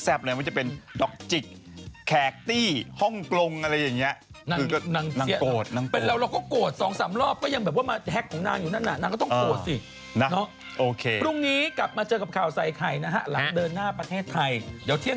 แซ่บเลยก็จะเป็นดอกจิกแคตี้ห้องกรงอะไรอย่างเงี้ย